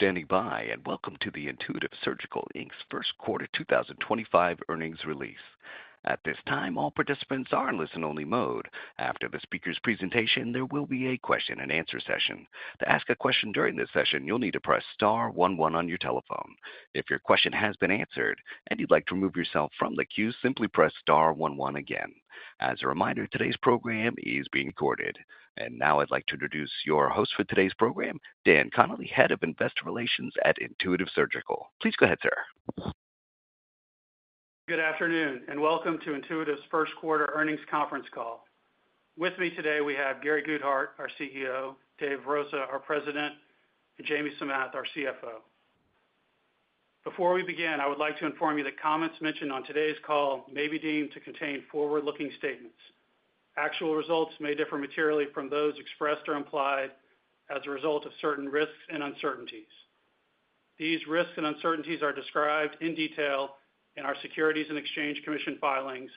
For standing by and welcome to the Intuitive Surgical first quarter 2025 earnings release. At this time, all participants are in listen only mode. After the speaker's presentation, there will be a question and answer session. To ask a question during this session, you'll need to press star one one on your telephone. If your question has been answered and you'd like to remove yourself from the queue, simply press star one one again. As a reminder, today's program is being recorded. Now I'd like to introduce your host for today's program, Dan Connally, Head of Investor Relations at Intuitive Surgical. Please go ahead. Sir. Good afternoon and welcome to Intuitive's first quarter earnings conference call. With me today we have Gary Guthart, our CEO, Dave Rosa, our President, and Jamie Samath, our CFO. Before we begin, I would like to inform you that comments mentioned on today's call may be deemed to contain forward looking statements. Actual results may differ materially from those expressed or implied as a result of certain risks and uncertainties. These risks and uncertainties are described in detail in our Securities and Exchange Commission filings,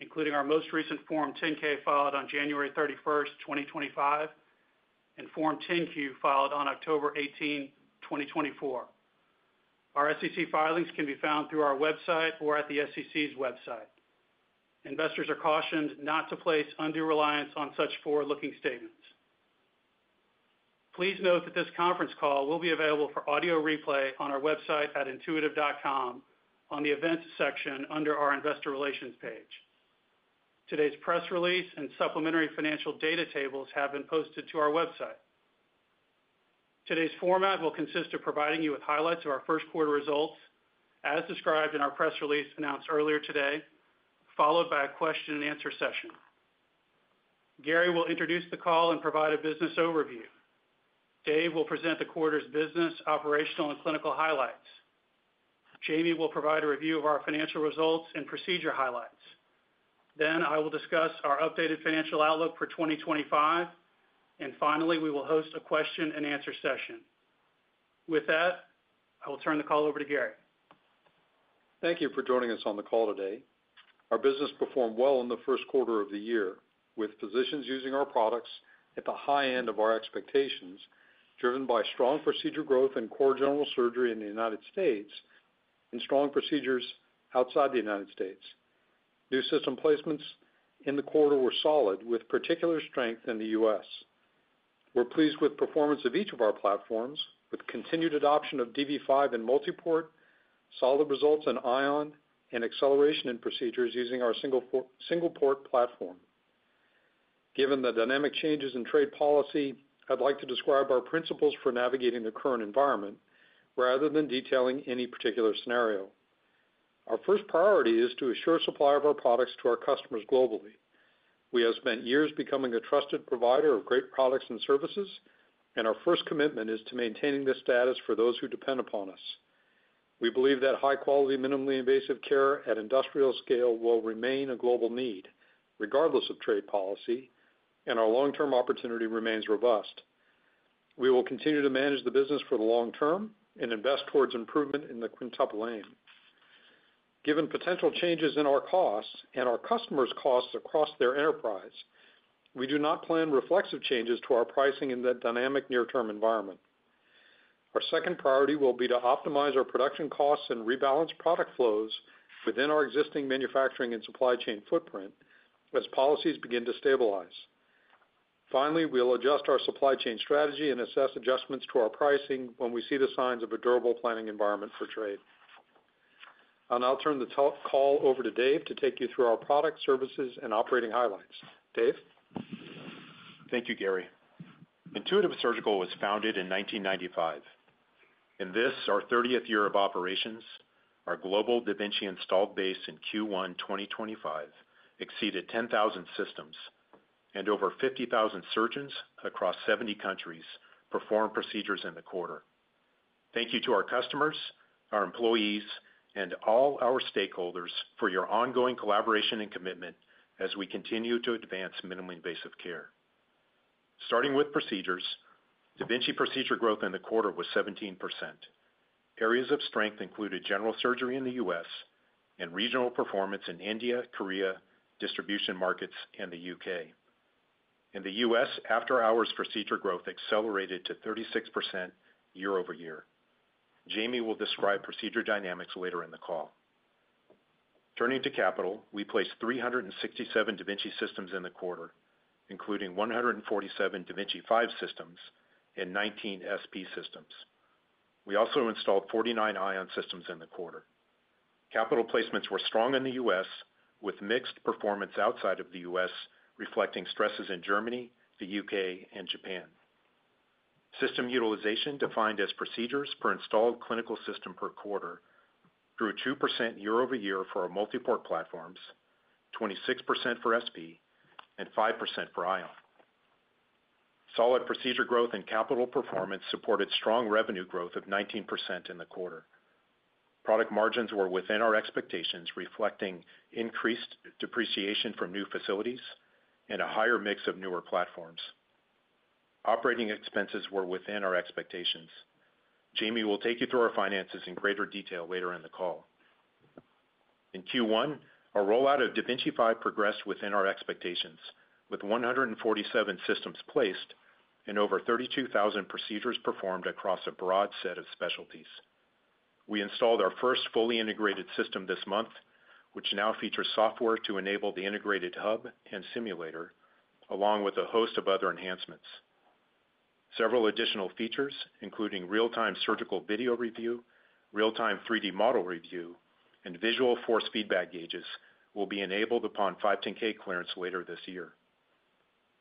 including our most recent Form 10-K filed on January 31, 2025 and Form 10-Q filed on October 18, 2024. Our SEC filings can be found through our website or at the SEC's website. Investors are cautioned not to place undue reliance on such forward looking statements. Please note that this conference call will be available for audio replay on our website at intuitive.com on the events section under our Investor Relations page. Today's press release and supplementary financial data tables have been posted to our website. Today's format will consist of providing you with highlights of our first quarter results as described in our press release announced earlier today, followed by a question and answer session. Gary will introduce the call and provide a business overview. Dave will present the quarter's business operational and clinical highlights. Jamie will provide a review of our financial results and procedure highlights. I will discuss our updated financial outlook for 2025 and finally we will host a question and answer session. With that, I will turn the call over to. Gary. Thank you for joining us on the call today. Our business performed well in the first quarter of the year with physicians using our products at the high end of our expectations, driven by strong procedure growth in core general surgery in the U.S. and strong procedures outside the U.S.. New system placements in the quarter were solid with particular strength in the U.S. We're pleased with performance of each of our platforms with continued adoption of DV5 and multiport, solid results in Ion, and acceleration in procedures using our single port platform. Given the dynamic changes in trade policy, I'd like to describe our principles for navigating the current environment rather than detailing any particular scenario. Our first priority is to assure supply of our products to our customers globally. We have spent years becoming a trusted provider of great products and services and our first commitment is to maintaining this status for those who depend upon us. We believe that high quality, minimally invasive care at industrial scale will remain a global need regardless of trade policy and our long term opportunity remains robust. We will continue to manage the business for the long term and invest towards improvement in the Quintuple Aim given potential changes in our costs and our customers' costs across their enterprise. We do not plan reflexive changes to our pricing in that dynamic near term environment. Our second priority will be to optimize our production costs and rebalance product flows within our existing manufacturing and supply chain footprint as policies begin to stabilize. Finally, we'll adjust our supply chain strategy and assess adjustments to our pricing when we see the signs of a durable planning environment for trade. I'll now turn the call over to Dave to take you through our product, services, and operating. Highlights. Dave, thank you. Gary, Intuitive Surgical was founded in 1995. In this, our 30th year of operations, our global da Vinci installed base in Q1 2025 exceeded 10,000 systems and over 50,000 surgeons across 70 countries perform procedures in the quarter. Thank you to our customers, our employees, and all our stakeholders for your ongoing collaboration and commitment as we continue to advance minimally invasive care starting with procedures. da Vinci procedure growth in the quarter was 17%. Areas of strength included general surgery in the U.S. and regional performance in India, Korea, distribution markets, and the U.K.. In the U.S., after hours procedure growth accelerated to 36% year over year. Jamie will describe procedure dynamics later in the call. Turning to Capital, we placed 367 da Vinci systems in the quarter, including 147 da Vinci 5 systems and 19 SP systems. We also installed 49 Ion systems in the quarter. Capital placements were strong in the U.S. with mixed performance outside of the U.S. reflecting stresses in Germany, the U.K. and Japan. System utilization defined as procedures per installed clinical system per quarter grew 2% year over year for our multiport platforms, 26% for SP and 5% for Ion. Solid procedure growth and capital performance supported strong revenue growth of 19% in the quarter. Product margins were within our expectations, reflecting increased depreciation from new facilities and a higher mix of newer platforms. Operating expenses were within our expectations. Jamie will take you through our finances in greater detail later in the call. In Q1, our rollout of da Vinci 5 progressed within our expectations with 147 systems placed and over 32,000 procedures performed across a broad set of specialties. We installed our first fully integrated system this month, which now features software to enable the integrated hub and simulator, along with a host of other enhancements. Several additional features including real time surgical video review, real time 3D model review, and visual force feedback gauges will be enabled upon 510 clearance later this year.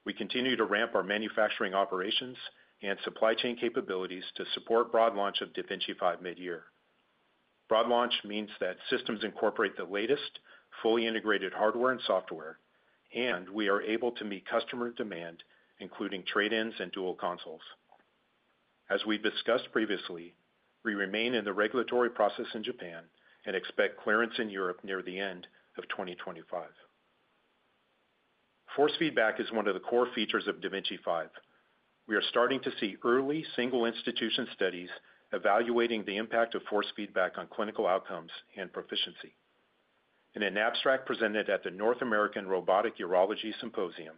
We continue to ramp our manufacturing operations and supply chain capabilities to support broad launch of da Vinci 5 mid year. Broad launch means that systems incorporate the latest fully integrated hardware and software and we are able to meet customer demand including trade ins and dual consoles. As we've discussed previously, we remain in the regulatory process in Japan and expect clearance in Europe near the end of 2025. Force feedback is one of the core features of da Vinci 5. We are starting to see early single institution studies evaluating the impact of force feedback on clinical outcomes and proficiency. In an abstract presented at the North American Robotic Urology Symposium,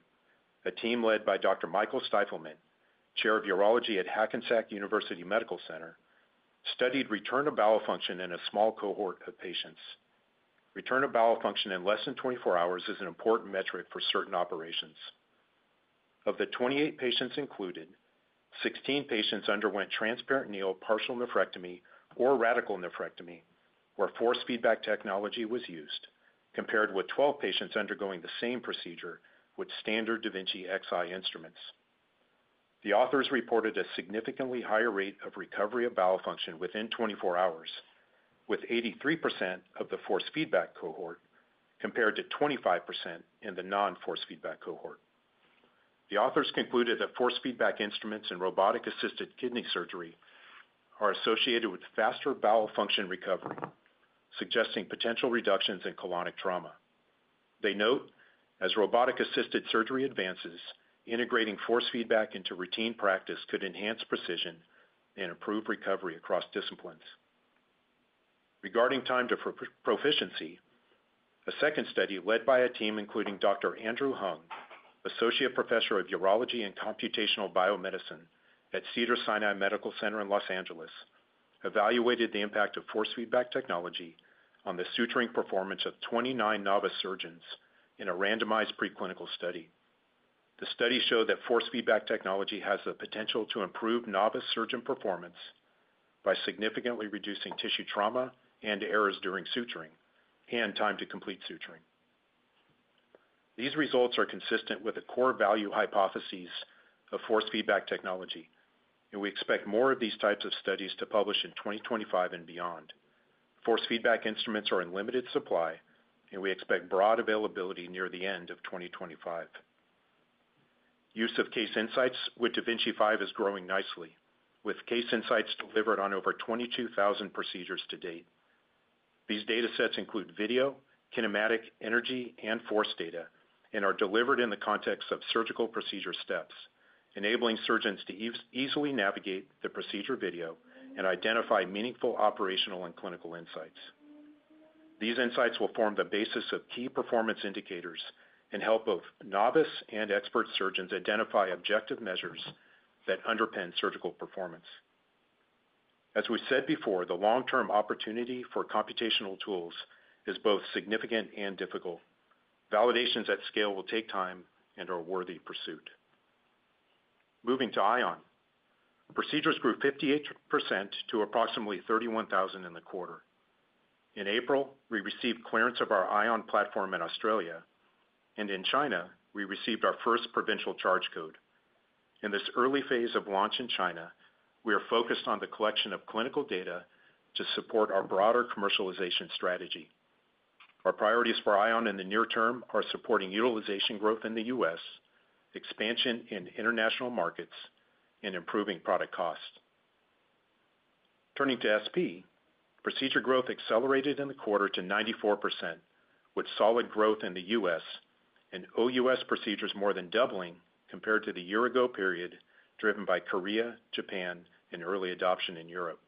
a team led by Dr. Michael Stifelman, Chair of Urology at Hackensack University Medical Center, studied return of bowel function in a small cohort of patients. Return of bowel function in less than 24 hours is an important metric for certain operations. Of the 28 patients included, 16 patients underwent transperitoneal partial nephrectomy or radical nephrectomy where force feedback technology was used, compared with 12 patients undergoing the same procedure with standard da Vinci Xi instruments. The authors reported a significantly higher rate of recovery of bowel function within 24 hours with 83% of the force feedback cohort compared to 25% in the non force feedback cohort. The authors concluded that force feedback instruments and robotic assisted kidney surgery are associated with faster bowel function recovery, suggesting potential reductions in colonic trauma, they note. As robotic assisted surgery advances, integrating force feedback into routine practice could enhance precision and improve recovery across disciplines. Regarding time to proficiency, a second study, led by a team including Dr. Andrew Hung, Associate Professor of Urology and Computational Biomedicine at Cedars-Sinai Medical Center in Los Angeles, evaluated the impact of force feedback technology on the suturing performance of 29 novice surgeons in a randomized preclinical study. The studies show that force feedback technology has the potential to improve novice surgeon performance by significantly reducing tissue trauma and errors during suturing and time to complete suturing. These results are consistent with the core value hypothesis of force feedback technology, and we expect more of these types of studies to publish in 2025 and beyond. Force feedback instruments are in limited supply and we expect broad availability near the end of 2025. Use of case insights with da Vinci 5 is growing nicely with case insights delivered on over 22,000 procedures to date. These data sets include video, kinematic, energy and force data and are delivered in the context of surgical procedure steps, enabling surgeons to easily navigate the procedure video and identify meaningful operational and clinical insights. These insights will form the basis of key performance indicators and help both novice and expert surgeons identify objective measures that underpin surgical performance. As we said before, the long term opportunity for computational tools is both significant and difficult. Validations at scale will take time and are a worthy pursuit. Moving to Ion, procedures grew 58% to approximately 31,000 in the quarter. In April, we received clearance of our Ion platform in Australia, and in China we received our first provincial charge code. In this early phase of launch in China, we are focused on the collection of clinical data to support our broader commercialization strategy. Our priorities for Ion in the near term are supporting utilization growth in the US, expansion in international markets, and improving product costs. Turning to SP, procedure growth accelerated in the quarter to 94%, with solid growth in the U.S. and OUS procedures more than doubling compared to the year-ago period, driven by Korea, Japan, and early adoption in Europe.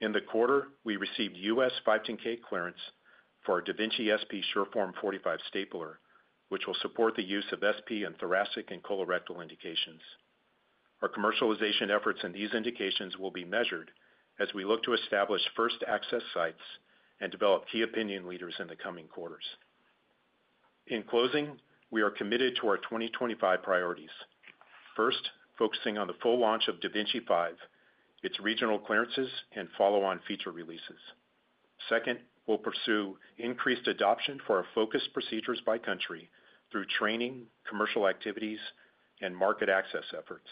In the quarter, we received US 510 clearance for our da Vinci SP SureForm 45 stapler, which will support the use of SP in thoracic and colorectal indications. Our commercialization efforts in these indications will be measured as we look to establish first access sites and develop key opinion leaders in the coming quarters. In closing, we are committed to our 2025 priorities. First, focusing on the full launch of da Vinci 5, its regional clearances and follow on feature releases. Second, we'll pursue increased adoption for our focused procedures by country through training, commercial activities and market access efforts.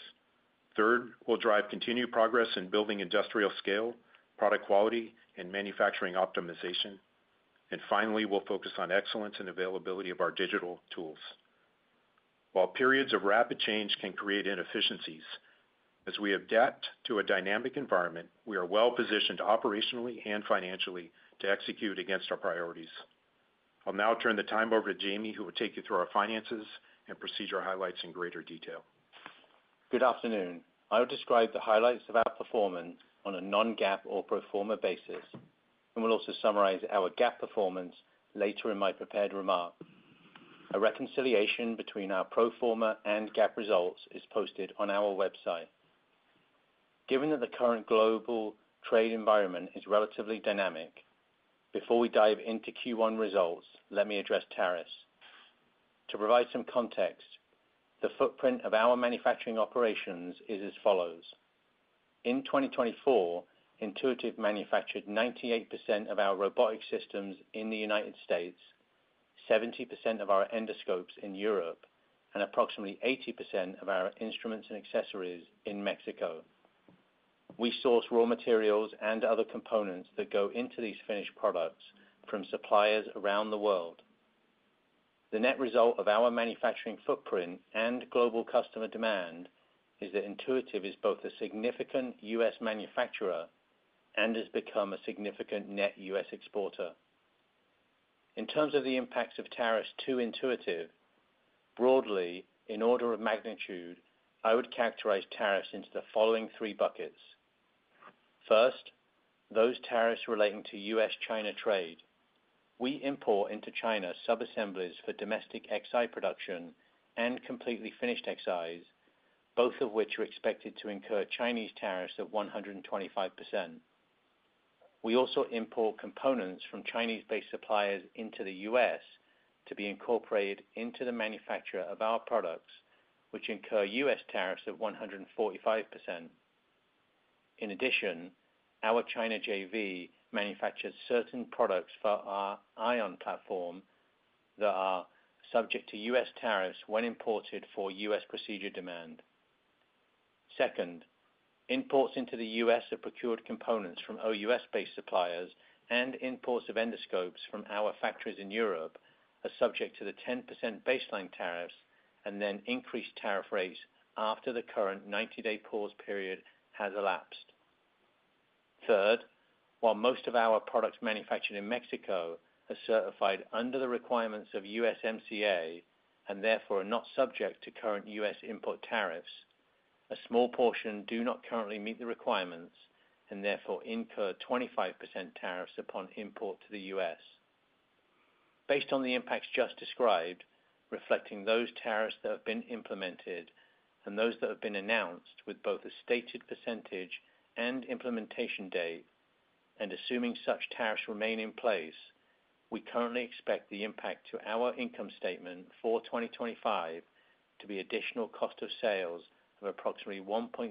Third, we'll drive continued progress in building industrial scale, product quality and manufacturing optimization. Finally, we'll focus on excellence and availability of our digital tools. While periods of rapid change can create inefficiencies as we adapt to a dynamic environment, we are well positioned operationally and financially to execute against our priorities. I'll now turn the time over to Jamie who will take you through our finances and procedure highlights in greater. Detail. Good afternoon. I will describe the highlights of our performance on a non-GAAP or pro forma basis and will also summarize our GAAP performance later in my prepared remarks. A reconciliation between our pro forma and GAAP results is posted on our website. Given that the current global trade environment is relatively dynamic, before we dive into Q1 results, let me address tariffs to provide some context. The footprint of our manufacturing operations is as follows. In 2024, Intuitive manufactured 98% of our robotic systems in the United States, 70% of our endoscopes in Europe, and approximately 80% of our instruments and accessories in Mexico. We source raw materials and other components that go into these finished products from suppliers around the world. The net result of our manufacturing footprint and global customer demand is that Intuitive is both a significant US manufacturer and has become a significant net U.S. exporter. In terms of the impacts of tariffs to Intuitive broadly, in order of magnitude, I would characterize tariffs into the following three buckets. First, those tariffs relating to U.S.-China trade. We import into China subassemblies for domestic Xi production and completely finished Xis, both of which are expected to incur Chinese tariffs of 12.5%. We also import components from Chinese-based suppliers into the US to be incorporated into the manufacture of our products, which incur U.S. tariffs of 14.5%. In addition, our China JV manufactures certain products for our Ion platform that are subject to U.S. tariffs when imported for U.S. procedure demand. Second, imports into the U.S. have procured components from OUS-based suppliers and imports of endoscopes from our factories in Europe are subject to the 10% baseline tariffs and then increased tariff rates after the current 90-day pause period has elapsed. Third, while most of our products manufactured in Mexico are certified under the requirements of USMCA and therefore are not subject to current U.S. import tariffs, a small portion do not currently meet the requirements and therefore incur 25% tariffs upon import to the U.S.. Based on the impacts just described, reflecting those tariffs that have been implemented and those that have been announced with both a stated percentage and implementation date and assuming such tariffs remain in place, we currently expect the impact to our income statement for 2025 to be additional cost of sales of approximately 1.7%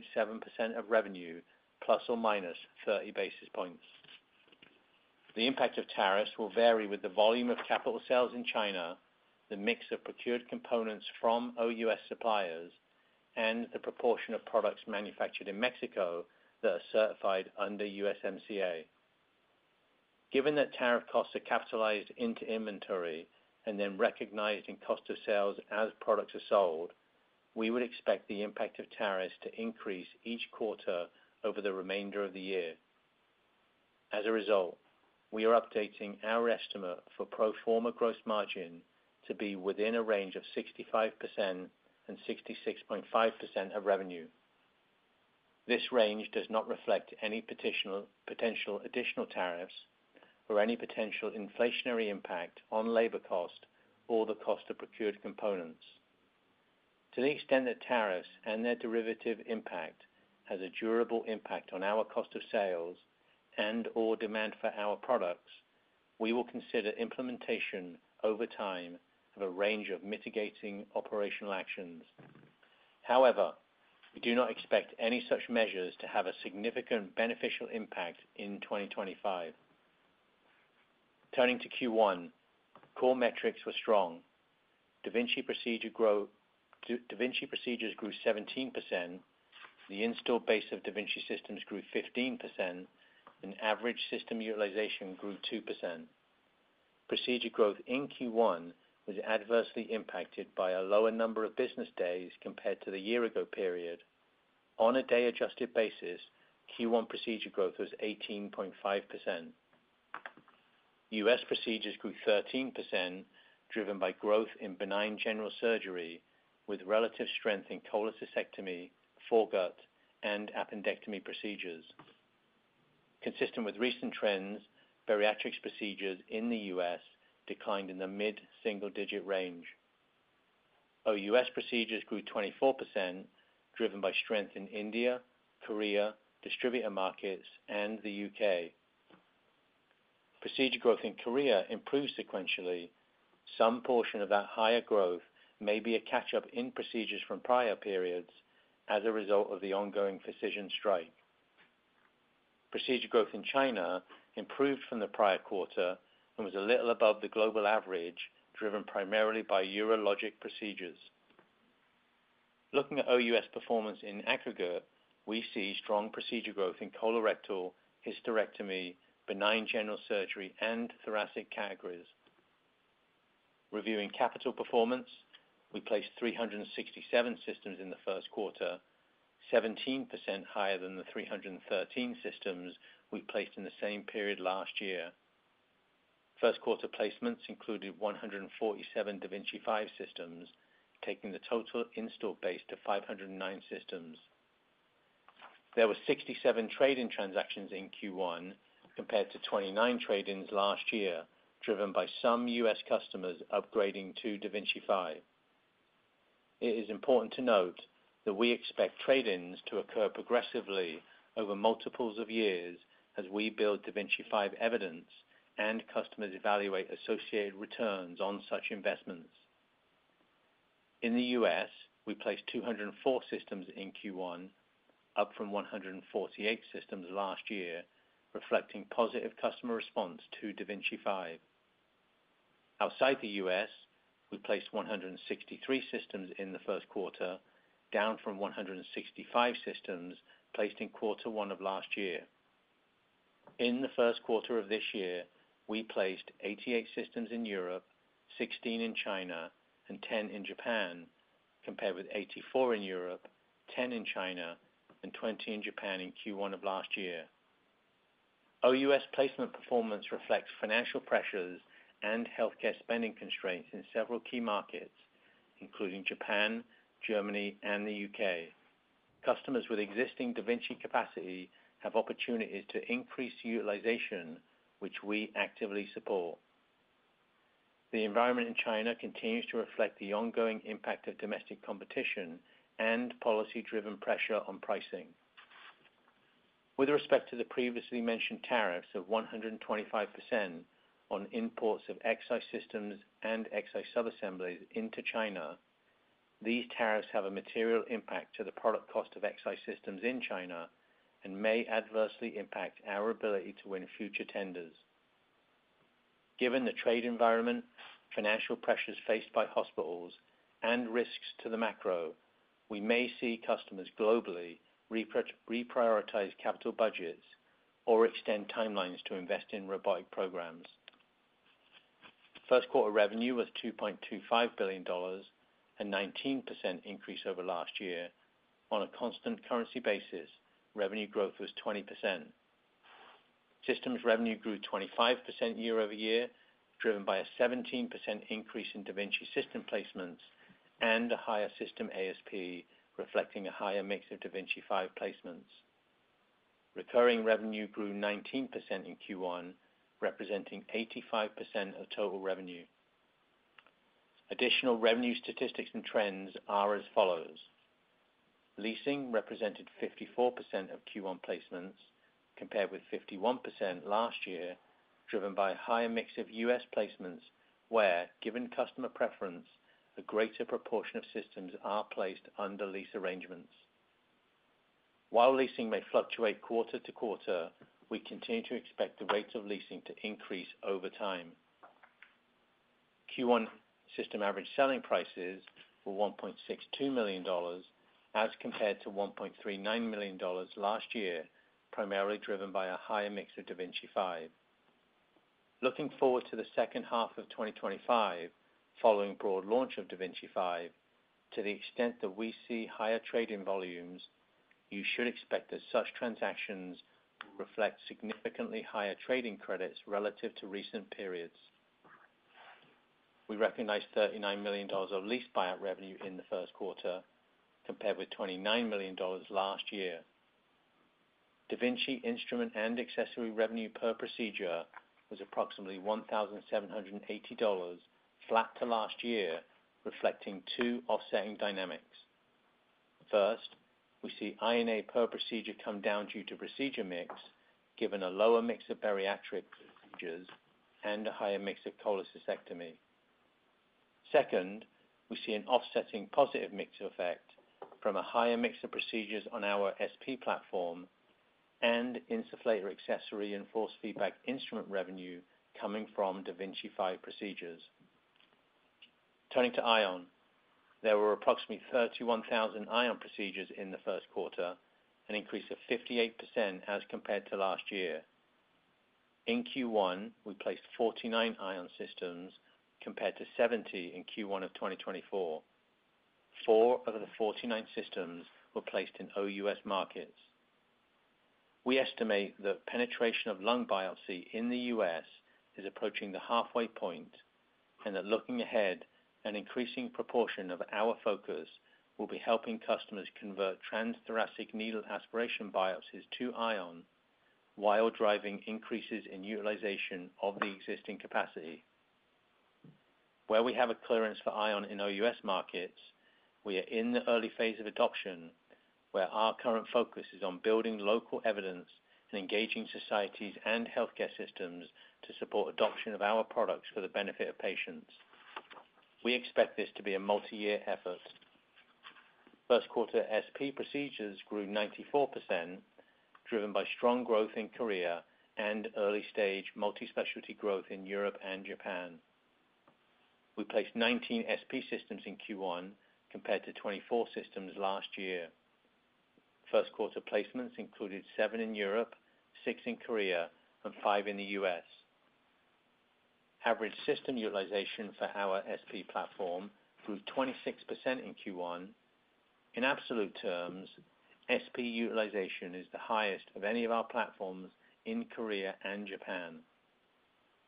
of revenue plus or minus 30 basis points. The impact of tariffs will vary with the volume of capital sales in China, the mix of procured components from OUS suppliers, and the proportion of products manufactured in Mexico that are certified under USMCA. Given that tariff costs are capitalized into inventory and then recognized in cost of sales as products are sold, we would expect the impact of tariffs to increase each quarter over the remainder of the year. As a result, we are updating our estimate for pro forma gross margin to be within a range of 65%-66.5% of revenue. This range does not reflect any potential additional tariffs or any potential inflationary impact on labor cost or the cost of procured components. To the extent that tariffs and their derivative impact has a durable impact on our cost of sales and or demand for our products, we will consider implementation over time of a range of mitigating operational actions. However, we do not expect any such measures to have a significant beneficial impact in 2025. Turning to Q1, core metrics were strong, da Vinci procedures grew 17%, the installed base of da Vinci systems grew 15%, and average system utilization grew 2%. Procedure growth in Q1 was adversely impacted by a lower number of business days compared to the year ago period. On a day adjusted basis, Q1 procedure growth was 18.5%. U.S. procedures grew 13% driven by growth in benign general surgery with relative strength in cholecystectomy, foregut, and appendectomy procedures. Consistent with recent trends, bariatrics procedures in the U.S. declined in the mid single digit range. OUS procedures grew 24% driven by strength in India, Korea, distributor markets, and the U.K. Procedure growth in Korea improved sequentially. Some portion of that higher growth may be a catch up in procedures from prior periods as a result of the ongoing precision strike. Procedure growth in China improved from the prior quarter and was a little above the global average, driven primarily by urologic procedures. Looking at OUS performance in aggregate, we see strong procedure growth in colorectal, hysterectomy, benign general surgery, and thoracic categories. Reviewing capital performance, we placed 367 systems in the first quarter, 17% higher than the 313 systems we placed in the same period last year. First quarter placements included 147 da Vinci 5 systems, taking the total installed base to 509 systems. There were 67 trade-in transactions in Q1 compared to 29 trade-ins last year driven by some U.S. customers upgrading to da Vinci 5. It is important to note that we expect trade-ins to occur progressively over multiples of years as we build da Vinci 5 evidence and customers evaluate associated returns on such investments. In the U.S. we placed 204 systems in Q1, up from 148 systems last year, reflecting positive customer response to da Vinci 5. Outside the U.S. we placed 163 systems in the first quarter, down from 165 systems placed in quarter one of last year. In the first quarter of this year we placed 88 systems in Europe, 16 in China and 10 in Japan compared with 84 in Europe, 10 in China and 20 in Japan in Q1 of last year. OUS placement performance reflects financial pressures and healthcare spending constraints in several key markets including Japan, Germany and the U.K. Customers with existing da Vinci capacity have opportunities to increase utilization, which we actively support. The environment in China continues to reflect the ongoing impact of domestic competition and policy driven pressure on pricing with respect to the previously mentioned tariffs of 125% on imports of excise systems and excise subassemblies into China. These tariffs have a material impact to the product cost of excise systems in China and may adversely impact our ability to win future tenders. Given the trade environment, financial pressures faced by hospitals and risks to the macro, we may see customers globally reprioritize capital budgets or extend timelines to invest in robotic programs. First quarter revenue was $2.25 billion, a 19% increase over last year. On a constant currency basis, revenue growth was 20%. Systems revenue grew 25% year over year, driven by a 17% increase in da Vinci system placements and a higher system ASP, reflecting a higher mix of da Vinci 5 placements. Recurring revenue grew 19% in Q1, representing 85% of total revenue. Additional revenue statistics and trends are as follows. Leasing represented 54% of Q1 placements compared with 51% last year, driven by a higher mix of U.S. placements. Where given customer preference, a greater proportion of systems are placed under lease arrangements. While leasing may fluctuate quarter to quarter, we continue to expect the rates of leasing to increase over time. Q1 system average selling prices were $1.62 million as compared to $1.39 million last year, primarily driven by a higher mix of da Vinci 5. Looking forward to the second half of 2025 following broad launch of da Vinci 5, to the extent that we see higher trade in volumes, you should expect that such transactions reflect significantly higher trade-in credits relative to recent periods. We recognize $39 million of lease buyout revenue in the first quarter compared with $29 million last year. da Vinci instrument and accessory revenue per procedure was approximately $1,780, flat to last year, reflecting two offsetting dynamics. First, we see INA per procedure come down due to procedure mix given a lower mix of bariatric procedures and a higher mix of cholecystectomy. Second, we see an offsetting positive mix effect from a higher mix of procedures on our SP platform and insufflator accessory and force feedback instrument revenue coming from da Vinci SP procedures. Turning to Ion, there were approximately 31,000 Ion procedures in the first quarter, an increase of 58% as compared to last year. In Q1 we placed 49 Ion systems compared to 70 in Q1 of 2023. Four of the 49 systems were placed in OUS markets. We estimate that penetration of lung biopsy in the U.S. is approaching the halfway point and that looking ahead, an increasing proportion of our focus will be helping customers convert transthoracic needle aspiration biopsies to Ion while driving increases in utilization of the existing capacity. Where we have a clearance for Ion in OUS markets we are in the early phase of adoption where our current focus is on building local evidence and engaging societies and healthcare systems to support adoption of our products for the benefit of patients. We expect this to be a multi-year effort. First quarter SP procedures grew 94% driven by strong growth in Korea and early stage multi-specialty growth in Europe and Japan. We placed 19 SP systems in Q1 compared to 24 systems last year. First quarter placements included 7 in Europe, 6 in Korea and 5 in the U.S.. Average system utilization for our SP platform grew 26% in Q1. In absolute terms, SP utilization is the highest of any of our platforms in Korea and Japan.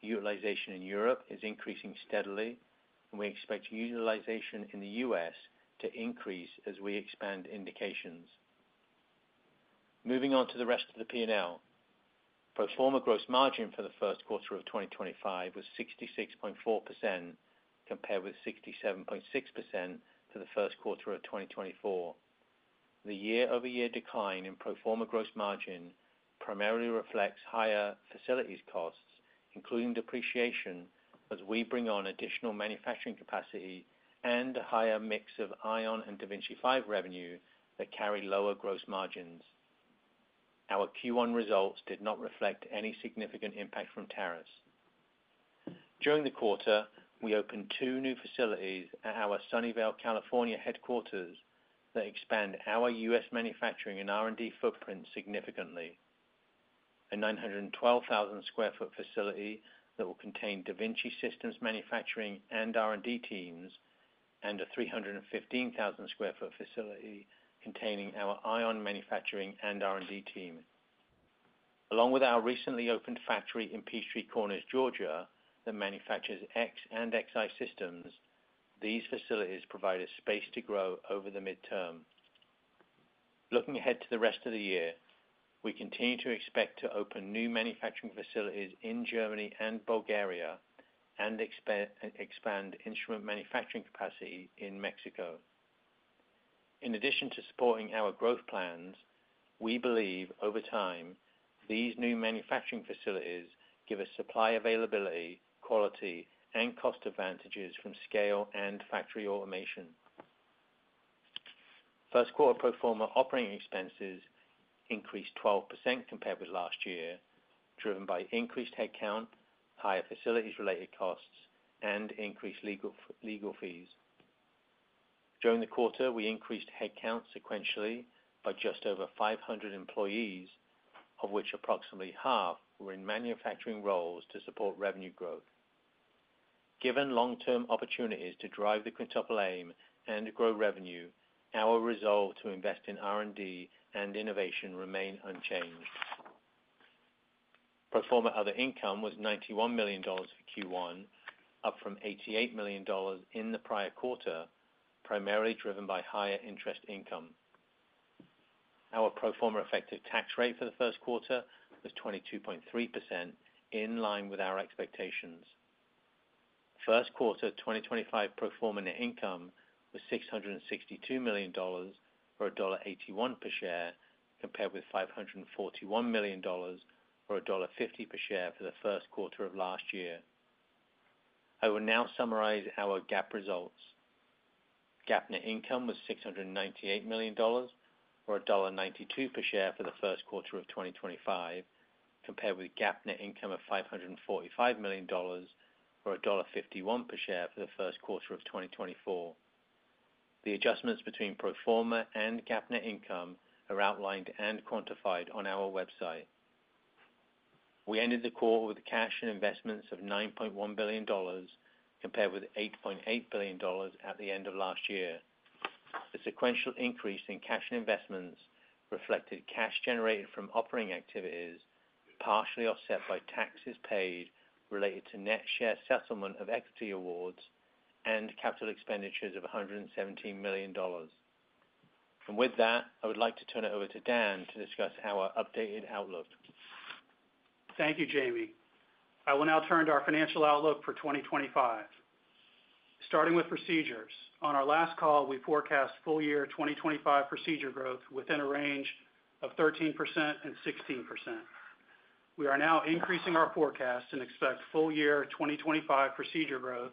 Utilization in Europe is increasing steadily and we expect utilization in the U.S. to increase as we expand indications. Moving on to the rest of the P&L, pro forma gross margin for the first quarter of 2025 was 66.4% compared with 67.6% for the first quarter of 2024. The year-over-year decline in pro forma gross margin primarily reflects higher facilities costs including depreciation as we bring on additional manufacturing capacity and a higher mix of Ion and da Vinci 5 revenue that carry lower gross margins. Our Q1 results did not reflect any significant impact from tariffs during the quarter. We opened two new facilities at our Sunnyvale, California headquarters that expand our U.S. manufacturing and R&D footprint significantly. A 912,000 sq ft facility that will contain da Vinci Systems manufacturing and R&D teams and a 315,000 sq. ft. facility containing our Ion manufacturing and R&D team along with our recently opened factory in Peachtree Corners, Georgia that manufactures Xi and X systems. These facilities provide us space to grow over the midterm. Looking ahead to the rest of the year, we continue to expect to open new manufacturing facilities in Germany and Bulgaria and expand instrument manufacturing capacity in Mexico. In addition to supporting our growth plans, we believe over time, these new manufacturing facilities give us supply availability, quality, and cost advantages from scale and factory automation. First quarter pro forma operating expenses increased 12% compared with last year, driven by increased headcount, higher facilities-related costs, and increased legal fees. During the quarter, we increased headcount sequentially by just over 500 employees, of which approximately half were in manufacturing roles to support revenue growth. Given long term opportunities to drive the quintuple aim and grow revenue, our resolve to invest in R&D and innovation remain unchanged. Pro forma other income was $91 million for Q1, up from $88 million in the prior quarter, primarily driven by higher interest income. Our pro forma effective tax rate for the first quarter was 22.3% in line with our expectations. First quarter 2025 pro forma net income was $662 million, or $1.81 per share, compared with $541 million or $1.50 per share for the first quarter of last year. I will now summarize our GAAP results. GAAP net income was $698 million, or $1.92 per share for the first quarter of 2025 compared with GAAP net income of $545 million or $1.51 per share for the first quarter of 2024. The adjustments between pro forma and GAAP net income are outlined and quantified on our website. We ended the quarter with cash and investments of $9.1 billion, compared with $8.8 billion at the end of last year. The sequential increase in cash and investments reflected cash generated from operating activities, partially offset by taxes paid related to net share, settlement of equity awards and capital expenditures of $117 million. I would like to turn it over to Dan to discuss our updated outlook. Thank you. Jamie. I will now turn to our financial outlook for 2025, starting with procedures. On our last call, we forecast full year 2025 procedure growth within a range of 13%-16%. We are now increasing our forecast and expect full year 2025 procedure growth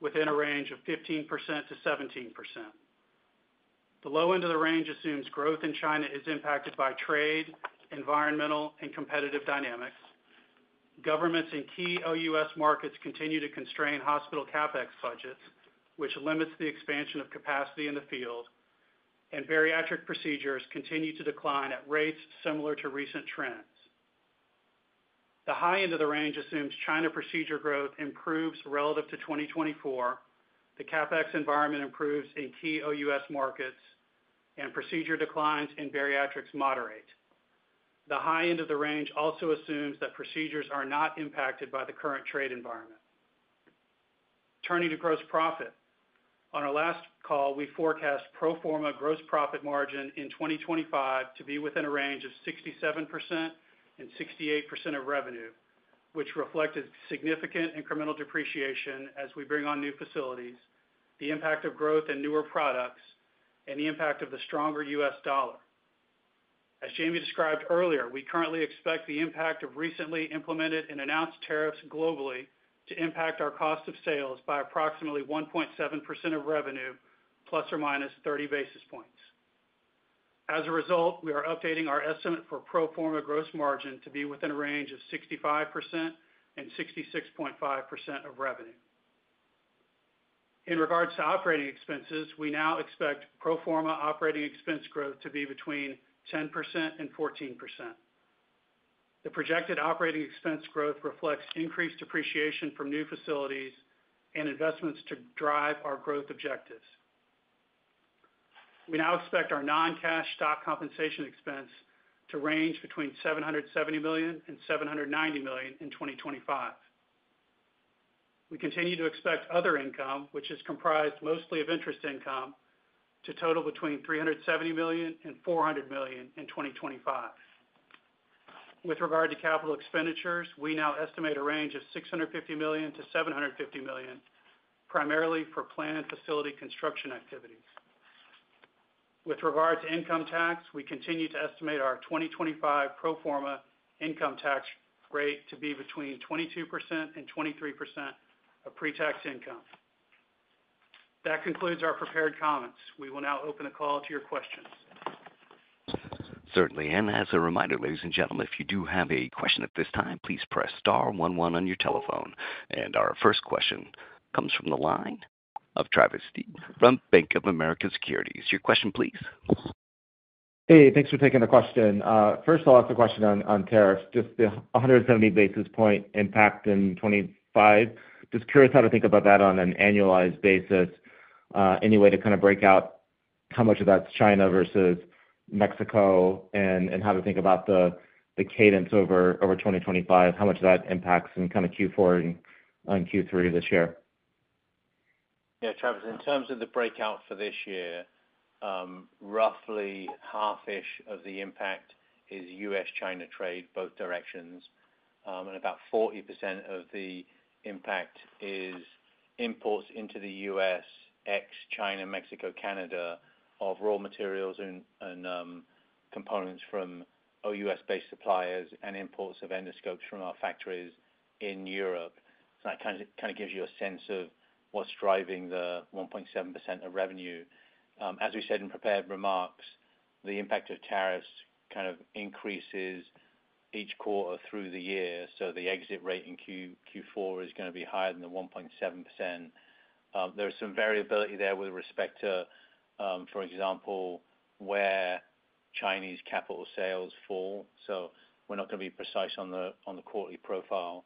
within a range of 15%-17%. The low end of the range assumes growth in China is impacted by trade, environmental and competitive dynamics. Governments in key OUS markets continue to constrain hospital CapEx budgets which limits the expansion of capacity in the field, and bariatric procedures continue to decline at rates similar to recent trends. The high end of the range assumes China procedure growth improves relative to 2024. The CapEx environment improves in key OUS markets and procedure declines in bariatrics moderate. The high end of the range also assumes that procedures are not impacted by the current trade environment. Turning to gross profit, on our last call, we forecast pro forma gross profit margin in 2025 to be within a range of 67%-68% of revenue, which reflected significant incremental depreciation as we bring on new facilities, the impact of growth in newer products, and the impact of the stronger U.S. dollar. As Jamie described earlier, we currently expect the impact of recently implemented and announced tariffs globally to impact our cost of sales by approximately 1.7% of revenue, plus or minus 30 basis points. As a result, we are updating our estimate for pro forma gross margin to be within a range of 65%-66.5% of revenue. In regards to operating expenses, we now expect pro forma operating expense growth to be between 10% and 14%. The projected operating expense growth reflects increased depreciation from new facilities and investments to drive our growth objectives. We now expect our non-cash stock compensation expense to range between $770 million and $790 million in 2025. We continue to expect other income, which is comprised mostly of interest income, to total between $370 million and $400 million in 2025. With regard to capital expenditures, we now estimate a range of $650 million-$750 million, primarily for planned facility construction activities. With regard to income tax, we continue to estimate our 2025 pro forma income tax rate to be between 22%-23% of pretax income. That concludes our prepared comments. We will now open the call to your questions. Questions. Certainly. As a reminder ladies and gentlemen, if you do have a question at this time, please press star one one on your telephone. Our first question comes from the line of Travis Steed from Bank of America Securities. Your question. Please. Thanks for taking the question first. I'll ask a question on tariffs, just the 170 basis point impact in 2025. Just curious how to think about that on an annualized basis. Any way to kind of break out how much of that's China versus Mexico and how to think about the cadence over 2025 how much that impacts in kind of Q4 and Q3 this year? Yeah Travis, in terms of the breakout for this year roughly half ish of the impact is U.S.-China trade both directions and about 40% of the impact is imports into the U.S. ex, China, Mexico, Canada of raw materials and components from OUS based suppliers and imports of endoscopes from our factories Europe. That kind of gives you a sense of what's driving the 1.7% of revenue. As we said in prepared remarks, the impact of tariffs kind of increases each quarter through the year. The exit rate in Q4 is going to be higher than the 1.7%. There is some variability there with respect to for example where Chinese capital sales fall. We are not going to be precise on the quarterly profile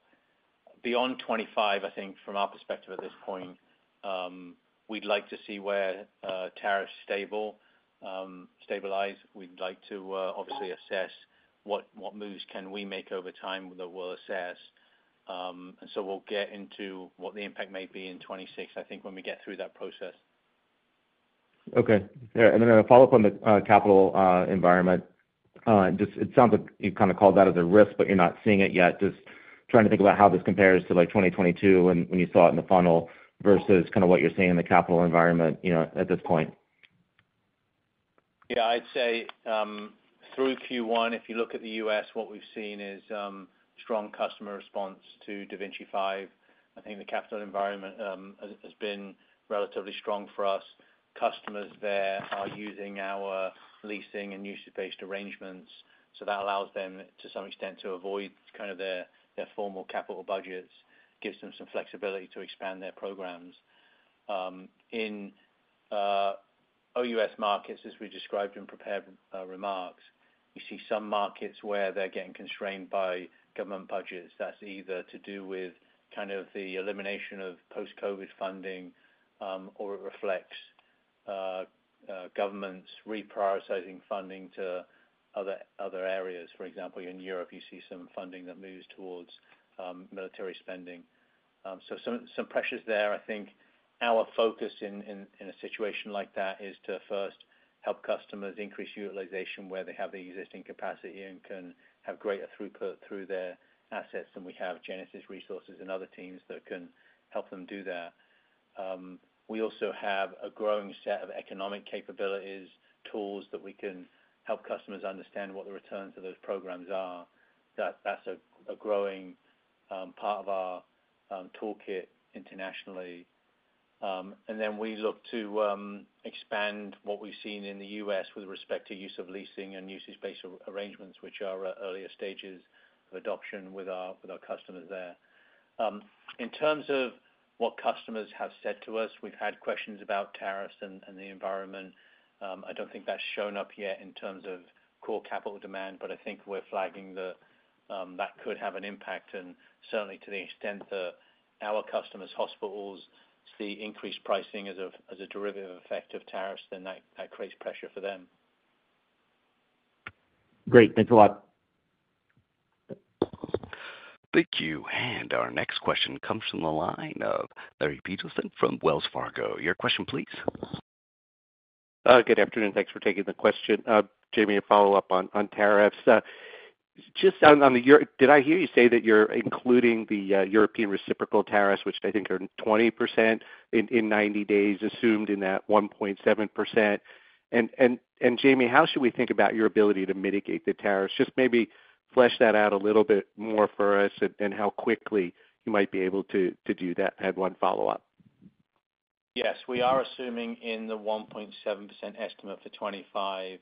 beyond 2025. I think from our perspective at this point, we would like to see where tariffs stabilize. We would like to obviously assess what moves can we make over time that we will assess so we will get into what the impact may be in 2026. I think when we get through that. Process. Okay. A follow up on the capital environment, it sounds like you kind of called that as a risk, but you're not seeing it yet. Just trying to think about how this compares to 2022 when you saw it in the funnel versus kind of what you're seeing in the capital environment at this point. Yes, I'd say through Q1. If you look at the U.S., what we've seen is strong customer response to da Vinci5. I think the capital environment has been relatively strong for U.S. customers. They are using our leasing and usage-based arrangements. That allows them to some extent to avoid their formal capital budgets and gives them some flexibility to expand their programs. In OUS markets, as we described in prepared remarks, you see some markets where they're getting constrained by government budgets. That's either to do with kind of the elimination of post-Covid funding or it reflects governments reprioritizing funding to other areas. For example, in Europe you see some funding that moves towards military spending, so some pressures there. I think our focus in a situation like that is to first help customers increase utilization where they have the existing capacity and can have greater throughput through their assets. We have Genesis Resources and other teams that can help them do that. We also have a growing set of economic capabilities tools that we can help customers understand what the returns of those programs are. That's a growing part of our toolkit internationally. We look to expand what we've seen in the U.S. with respect to use of leasing and usage based arrangements which are earlier stages adoption with our customers there. In terms of what customers have said to us, we've had questions about tariffs and the environment. I don't think that's shown up yet in terms of core capital demand. I think we're flagging that. That could have an impact. Certainly to the extent that our customers, hospitals see increased pricing as a derivative effect of tariffs, then that creates pressure for. Them. Great. Thanks, a lot. Thank you. Our next question comes from the line of Larry Peterson from Wells Fargo. Your question. Please. Good. Afternoon. Thanks for taking the question. Jamie, a follow up on. Tariffs. Just on the. Did I hear you say that? You're including the European reciprocal tariffs, which I think are 20% in 90 days, assumed in that 1.7%. Jamie, how should we think about your ability to mitigate the tariffs? Just maybe flesh that out a little bit more for us and how quickly you might be able to do that, have one follow-up? Yes, we are assuming in the 1.7% estimate for 2025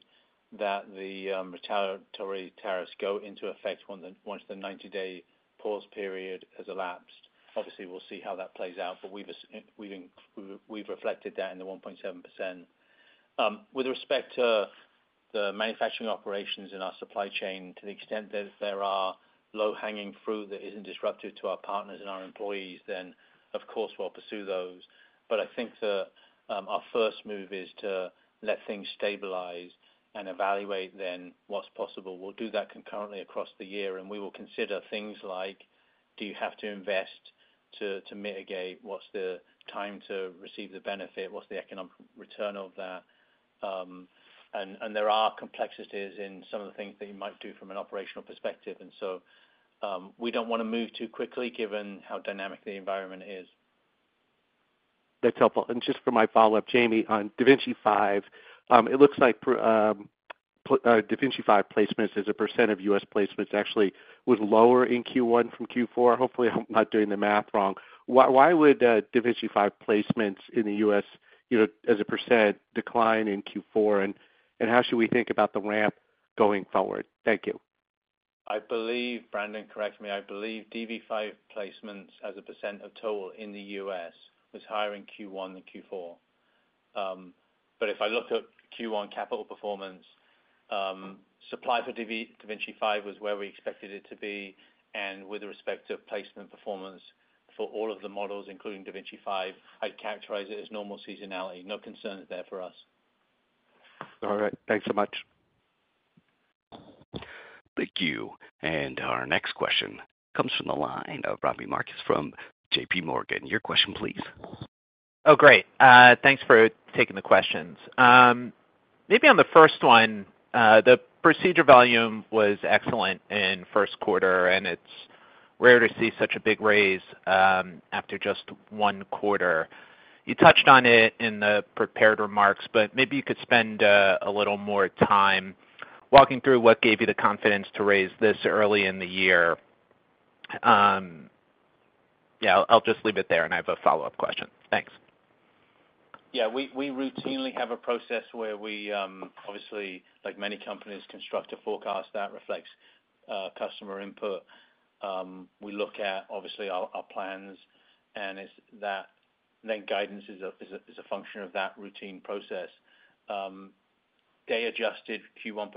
that the retaliatory tariffs go into effect once the 90-day pause period has elapsed. Obviously, we'll see how that plays out. We've reflected that in the 1.7%. With respect to the manufacturing operations in our supply chain, to the extent that there are low-hanging fruit that is not disruptive to our partners and our employees, then of course we'll pursue those. I think our first move is to let things stabilize and evaluate then what's possible. We'll do that concurrently across the year and we will consider things like do you have to invest to mitigate? What's the time to receive the benefit, what's the economic return of that? There are complexities in some of the things that you might do from an operational perspective. We do not want to move too quickly given how dynamic the environment is. That's. Helpful. Just for my follow up, Jamie, on da Vinci 5, it looks like da Vinci 5. Placements as a percent of U.S. placements. Actually was lower in Q1 from Q4. Hopefully I'm not doing the math. Wrong. Why would Da Vinci 5 placements in. The U.S. as a % decline in Q4? How should we think about the ramp going forward? Thank you. I believe, Brandon, correct me, I believe da Vinci 5 placements as a % of total in the US was higher in Q1 than Q4. If I look at Q1, capital performance, supply for da Vinci 5 was where we expected it to be. With respect to placement performance for all of the models including da Vinci 5, I characterize it as normal seasonality. No concerns there for. Us. All right, thanks. Thank you. Our next question comes from the line of Robbie Marcus from J.P. Morgan. Your question. Please. Oh, great. Thanks for taking the questions. Maybe on the first one, the procedure volume was excellent in first quarter and it's rare to see such a big raise after just one quarter. You touched on it in the prepared remarks, but maybe you could spend a little more time walking through what gave you the confidence to raise this early in the year. Yeah, I'll just leave it there. I have a follow up. Question. Thanks. Yeah, we routinely have a process where we obviously, like many companies, construct a forecast that reflects customer input. We look at obviously our plans and that then guidance is a function of that routine process. Day adjusted Q1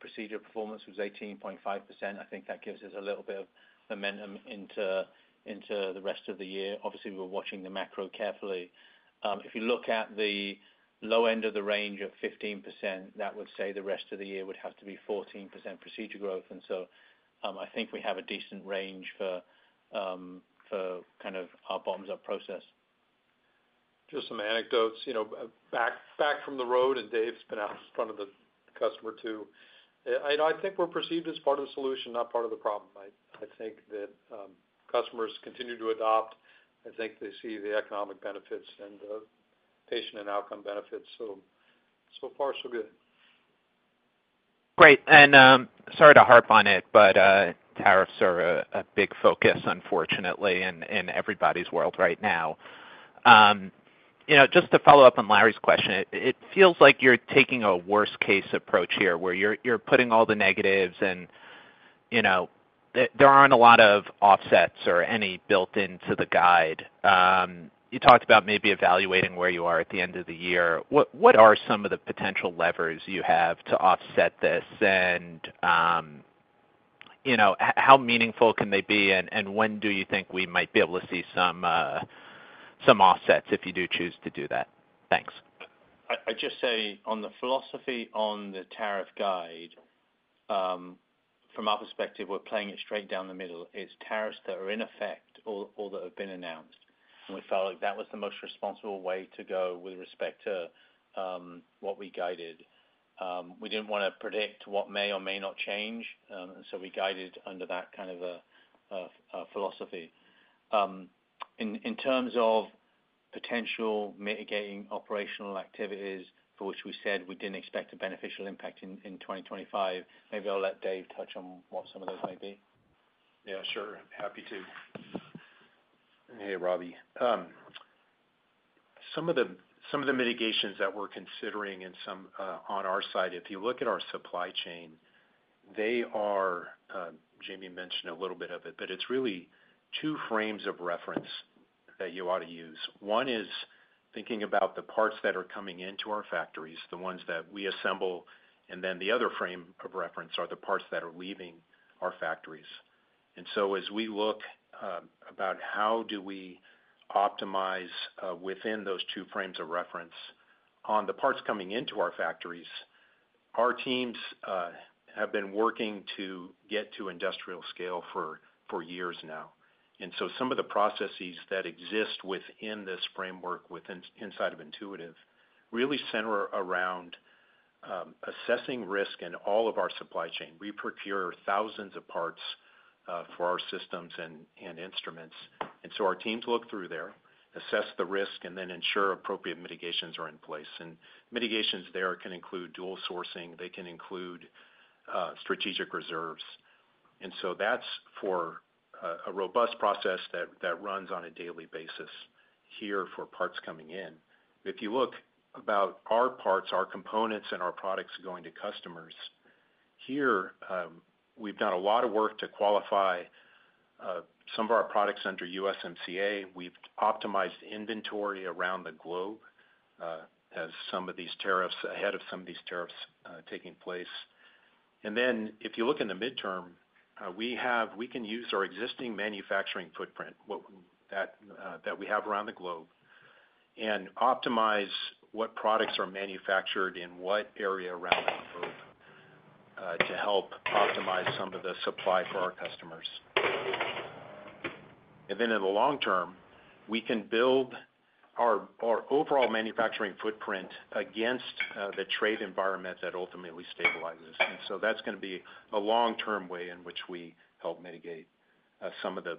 procedure performance was 18.5%. I think that gives us a little bit of momentum into the rest of the year. Obviously we were watching the macro carefully. If you look at the low end of the range of 15%, that would say the rest of the year would have to be 14% procedure growth. I think we have a decent range for kind of our bottoms up. Process. Just some anecdotes back from the road and Dave's been out in front of the customer too. I think we're perceived as part of the solution, not part of the problem. I think that customers continue to adopt. I think they see the economic benefits and patient and outcome benefits. So far so good. Great. Sorry to harp on it, but tariffs are a big focus unfortunately in everybody's world right now. Just to follow up on Larry's question, it feels like you're taking a worst case approach here where you're putting all the negatives and there aren't a lot of offsets or any built into the guide. You talked about maybe evaluating where you are at the end of the year. What are some of the potential levers you have to offset this and how meaningful can they be and when do you think we might be able to see some offsets? If you do choose to do. That. Thanks. I'd just say on the philosophy, on the tariff guide, from our perspective, we're playing it straight down the middle. It's tariffs that are in effect or that have been announced. We felt like that was the most responsible way to go with respect to what we guided. We didn't want to predict what may or may not change. We guided under that kind of philosophy in terms of potential mitigating operational activities for which we said we didn't expect a beneficial impact in 2025. Maybe I'll let Dave touch on what some of those may. Be. Yeah, sure, happy to. Hey, Robbie. Some of the mitigations that we're considering on our side, if you look at our supply chain, they are. Jamie mentioned a little bit of it, but it's really two frames of reference that you ought to use. One is thinking about the parts that are coming into our factories, the ones that we assemble, and then the other frame of reference are the parts that are leaving our factories. As we look about how do we optimize within those two frames of reference on the parts coming into our factories, our teams have been working to get to industrial scale for years now. Some of the processes that exist within this framework, inside of Intuitive, really center around assessing risk. In all of our supply chain. We procure thousands of parts for our systems and instruments. Our teams look through there, assess the risk and then ensure appropriate mitigations are in place. Mitigations there can include dual sourcing, they can include strategic reserves. That is a robust process that runs on a daily basis here for parts coming in. If you look at our parts, our components and our products going to customers here, we've done a lot of work to qualify some of our products under USMCA. We've optimized inventory around the globe ahead of some of these tariffs taking place. If you look in the midterm, we can use our existing manufacturing footprint that we have around the globe and optimize what products are manufactured in what area around the globe to help optimize some of the supply for our customers. In the long term, we can build our overall manufacturing footprint against the trade environment that ultimately stabilizes. That is going to be a long term way in which we help mitigate some of the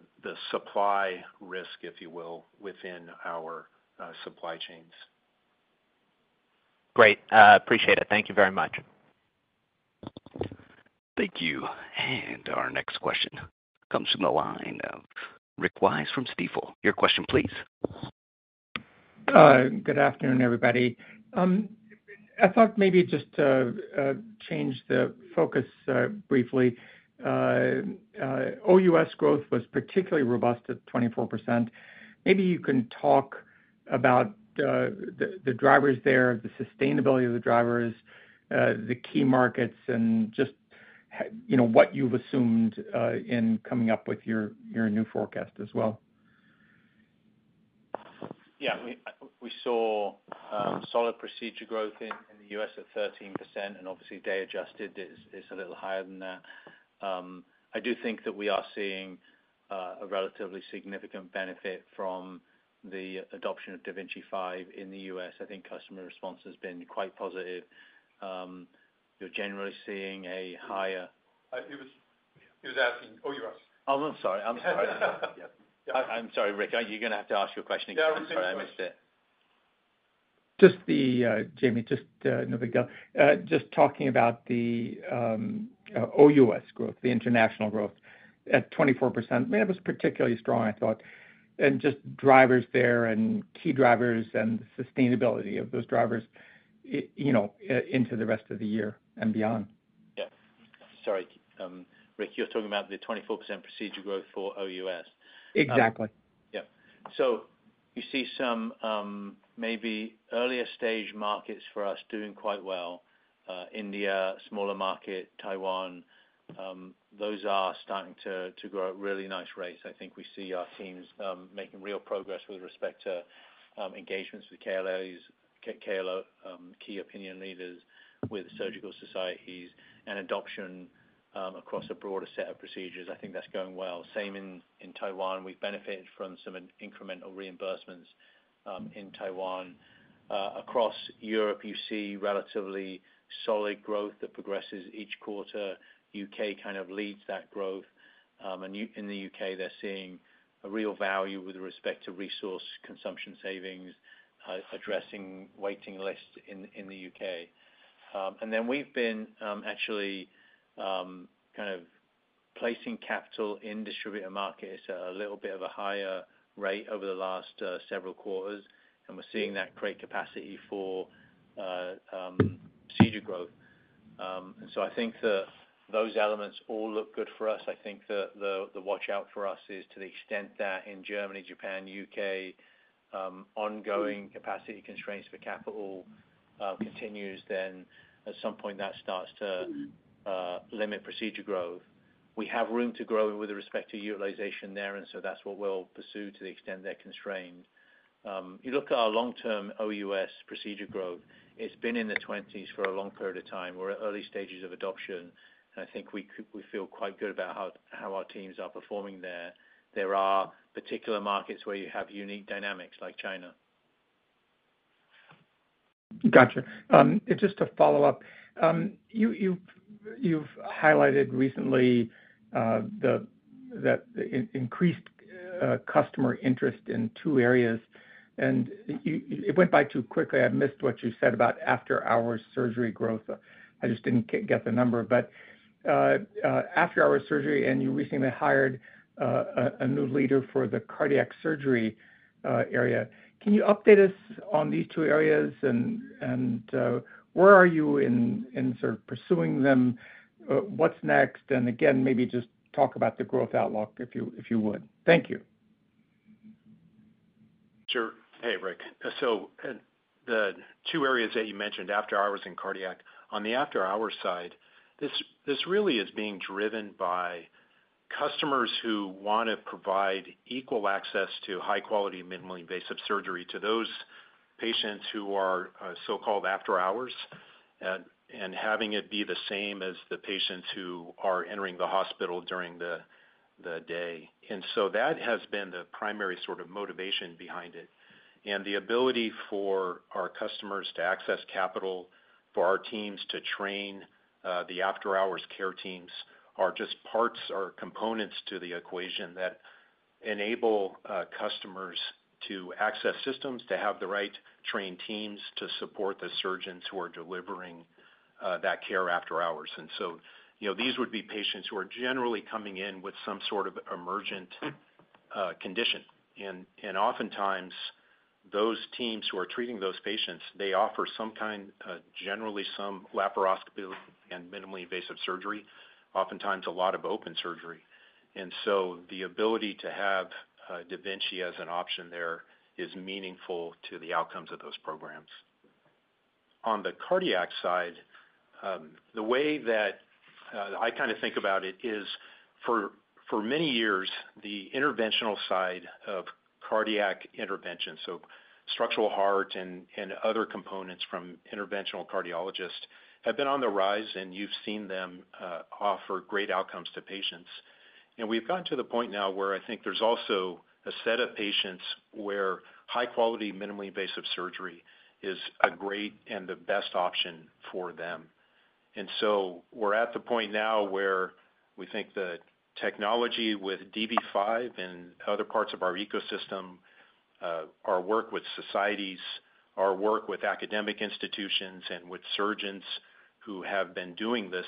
supply risk, if you will, within our supply. Great, appreciate it. Thank you. Thank you. Our next question comes from the line of Rick Wise from Stifel. Your question. Please. Good afternoon everybody. I thought maybe just change the focus briefly. OUS growth was particularly robust at 24%. Maybe you can talk about the drivers there, the sustainability of the drivers, the key markets and just what you've assumed in coming up with your new forecast as. Yeah, we saw solid procedure growth in the U.S. at 13% and obviously day adjusted is a little higher than that. I do think that we are seeing a relatively significant benefit from the adoption of da Vinci 5 in the U.S. I think customer response has been quite positive. You're generally seeing a. Higher. He was asking. Oh, you're. Oh, I'm sorry, I'm sorry, I'm sorry, Rick, are you going to have to ask your question again? Sorry I missed. It. Just. Jamie, just no big. Deal. Just talking about the OUS growth, the international growth at 24% it was particularly strong, I thought, and just drivers there and key drivers and sustainability of those drivers, you know, into the rest of the year. Beyond. Yeah, sorry Rick, you're talking about the 24% procedure growth for. OUS. Exactly. Yeah. You see some maybe earlier stage markets for us doing quite well. India, smaller market, Taiwan. Those are starting to grow at really nice rates. I think we see our teams making real progress with respect to engagements with key opinion leaders, with surgical societies, and adoption across a broader set of procedures. I think that's going well. Same in Taiwan. We've benefited from some incremental reimbursements in Taiwan. Across Europe you see relatively solid growth that progresses each quarter. U.K. kind of leads that growth and in the U.K. they're seeing a real value with respect to resource consumption savings, addressing waiting lists in the U.K., and then we've been actually kind of placing capital in distributor markets at a little bit of a higher rate over the last several quarters and we're seeing that create capacity for procedure growth. I think that those elements all look good for us. I think that the watch out for us is to the extent that in Germany, Japan, U.K., ongoing capacity constraints for capital continues, then at some point that starts to limit procedure growth. We have room to grow with respect to utilization there and so that's what we'll pursue to the extent they're constrained. You look at our long term OUS procedure growth, it's been in the 20s for a long period of time. We're at early stages of adoption and I think we feel quite good about how our teams are performing there. There are particular markets where you have unique dynamics like. China. Gotcha. Just to follow up, you've highlighted recently that increased customer interest in two areas and it went by too quickly. I missed what you said about after hours surgery growth. I just didn't get the number. After hours surgery and you recently hired a new leader for the cardiac surgery. Area. Can you update us on these? Two areas and where are you in sort of pursuing them? What's next? Maybe just talk about the growth outlook, if you would. Thank you. Sure. Hey Rick, the two areas that you mentioned, after hours and cardiac, on the after hours side, this really is being driven by customers who want to provide equal access to high quality, minimally invasive surgery to those patients who are so called after hours and having it be the same as the patients who are entering the hospital during the day. That has been the primary sort of motivation behind it and the ability for our customers to access capital for our teams to train. The after hours care teams are just parts or components to the equation that enable customers to access systems to have the right trained teams to support the surgeons who are delivering that care after hours. These would be patients who are generally coming in with some sort of emergent condition. Oftentimes those teams who are treating those patients, they offer some kind of, generally some laparoscopy and minimally invasive surgery, oftentimes a lot of open surgery. The ability to have da Vinci as an option there is meaningful to the outcomes of those programs. On the cardiac side, the way that I kind of think about it is for many years the interventional side of cardiac intervention, so structural, heart and other components from interventional cardiologists have been on the rise and you've seen them offer great outcomes to patients. We've gotten to the point now where I think there's also a set of patients where high quality, minimally invasive surgery is a great and the best option for them. We are at the point now where we think that technology, with dV5 and other parts of our ecosystem, our work with societies, our work with academic institutions and with surgeons who have been doing this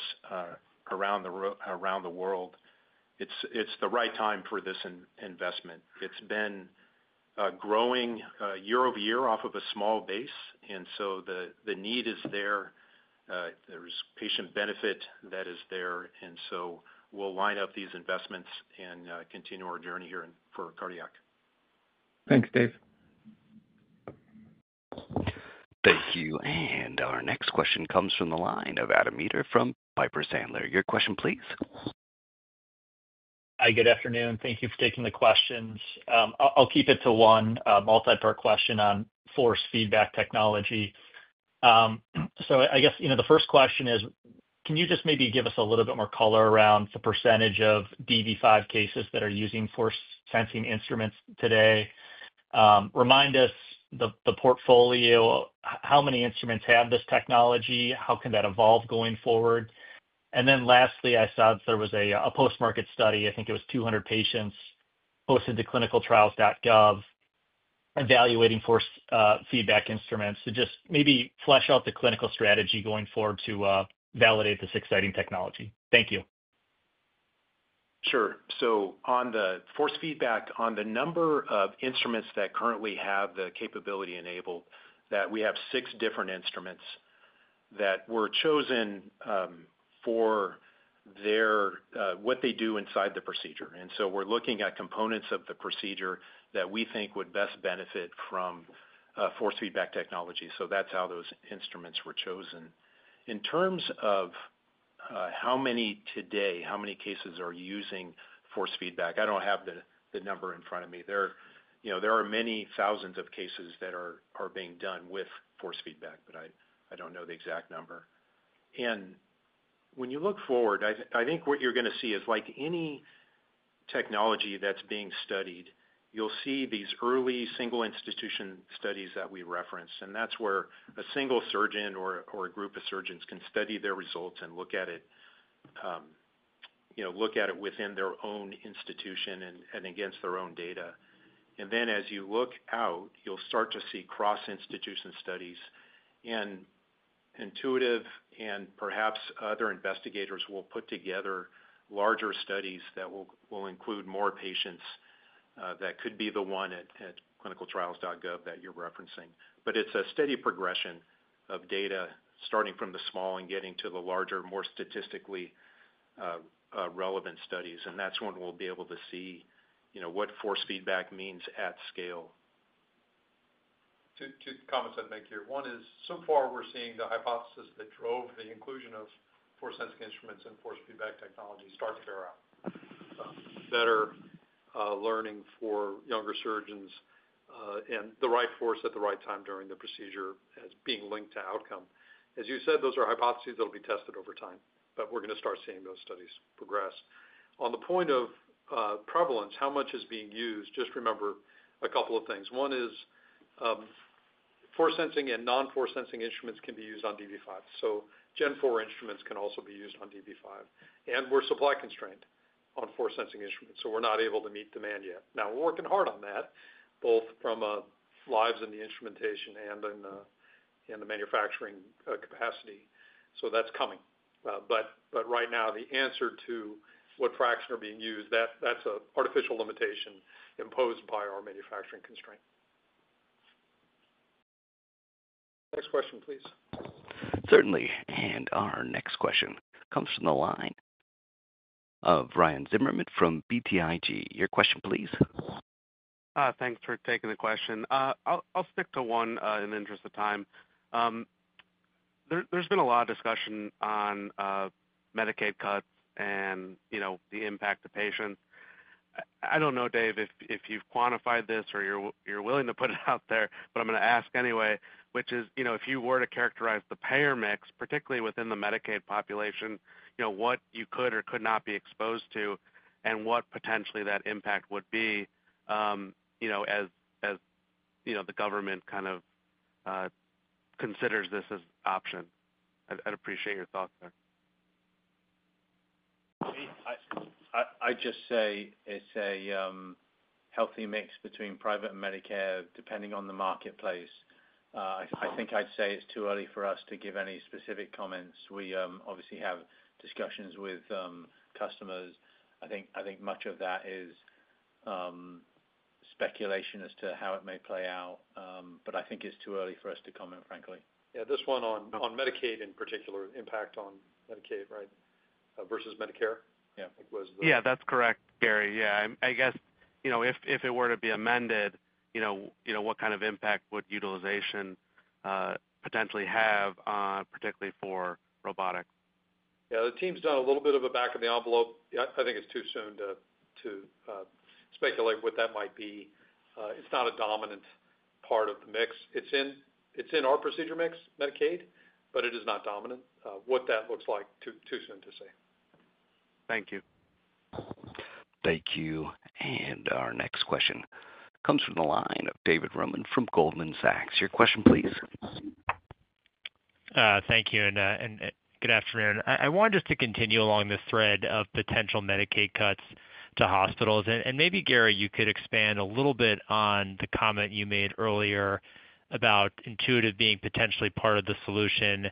around the world, it's the right time for this investment. It has been growing year over year off of a small base. The need is there, there is patient benefit that is there. We will line up these investments in and continue our journey here. Cardiac. Thanks. Thank you. Our next question comes from the line of Adam Maeder from Piper Sandler. Your question. Please. Hi, good afternoon. Thank you for taking the questions. I'll keep it to one multi part question on force feedback technology. I guess the first question is can you just maybe give us a little bit more color around the percentage of dV5 cases that are using force sensing instruments today? Remind us the portfolio, how many instruments have this technology? How can that evolve going forward? Lastly, I saw there was a post market study, I think it was 200 patients posted to ClinicalTrials.gov evaluating force feedback instruments to just maybe flesh out the clinical strategy going forward to validate this exciting technology. Thank you. Sure. On the force feedback, on the number of instruments that currently have the capability enabled, we have six different instruments that were chosen for what they do inside the procedure. We are looking at components of the procedure that we think would best benefit from force feedback technology. That is how those instruments were chosen. In terms of how many today, how many cases are using force feedback, I do not have the number in front of me. There are many thousands of cases that are being done with force feedback, but I do not know the exact number. When you look forward, I think what you're going to see is like any technology that's being studied, you'll see these early single institution studies that we referenced and that's where a single surgeon or a group of surgeons can study their results and look at it within their own institution and against their own data. As you look out, you'll start to see cross institution studies and Intuitive and perhaps other investigators will put together larger studies that will include more patients. That could be the one at ClinicalTrials.gov that you're referencing. It's a steady progression of data starting from the small and getting to the larger, more statistically relevant studies. That's when we'll be able to see what force feedback means at. Scale. Two comments I'd make here. One is so far we're seeing the hypothesis that drove the inclusion of force sensing instruments and force feedback technology start to bear out better learning for younger surgeons and the right force at the right time during the procedure as being linked to outcome. As you said, those are hypotheses that will be tested over time, but we're going to start seeing those studies progress on the point of prevalence. How much is being used? Just remember a couple of things. One is force sensing and non-force sensing instruments can be used on DV5, so Gen4 instruments can also be used on dV5 and were supply constrained on force sensing instruments. We're not able to meet demand yet. Now we're working hard on that both from lives in the instrumentation and in the manufacturing capacity. That's coming. Right now the answer to what fraction are being used, that's an artificial limitation imposed by our manufacturing constraint. Next question. Please. Certainly. Our next question comes from the line of Ryan Zimmerman from BTIG. Your question. Please, thanks for taking the. Question. I'll stick to. One. In the interest of. Time, there's. Been a lot of discussion on Medicaid cuts and you know, the impact to patients. I don't know Dave, if you've quantified this or you're willing to put it out there, but I'm going to ask anyway, which is, you know, if. You were to characterize the payer mix. Particularly within the Medicaid population, you know, what you could or could not be exposed to and what potentially that impact would be. You know, as you know, the. Government kind of considers this as option. I'd appreciate your thoughts. I just say it's a healthy mix between private and Medicare, depending on the marketplace. I think I'd say it's too early for us to give any specific comments. We obviously have discussions with customers. I think much of that is speculation as to how it may play out. I think it's too early for us to comment. Frankly. Yeah, this one on Medicaid in particular. Impact on Medicaid, right versus. Medicare? Yeah, that's correct, Gary. Yeah, I guess if it were to be amended, what kind of impact would utilization potentially have, particularly for. Robotics? Yeah, the team's done a little bit of a back of the envelope. I think it's too soon to speculate what that might be. It's not a dominant part of the mix. It's in our procedure mix Medicaid, but it is not dominant. What that looks like too soon to see. Thank. Thank you. Thank you. Our next question comes from the line of David Roman from Goldman Sachs. Your question. Please. Thank you and good afternoon. I wanted just to continue along this thread of potential Medicaid cuts, hospitals and maybe Gary, you could expand a little bit on the comment you made earlier about Intuitive being potentially part of the solution